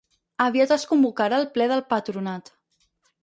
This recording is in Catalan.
Aviat es convocarà el ple del patronat.